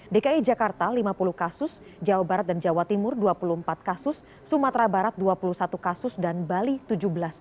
dki jakarta lima puluh kasus jawa barat dan jawa timur dua puluh empat kasus sumatera barat dua puluh satu kasus dan bali tujuh belas